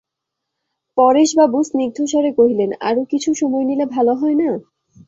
পরেশবাবু স্নিগ্ধস্বরে কহিলেন, আরো কিছু সময় নিলে ভালো হয় না?